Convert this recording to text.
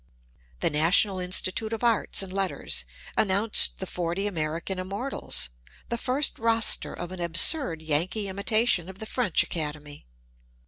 The National Institute of Arts and Letters announced the Forty American Immortals, the first roster of an absurd Yankee imitation of the French Academy.